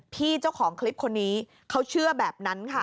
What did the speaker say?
พี่เจ้าของคลิปคนนี้เขาเชื่อแบบนั้นค่ะ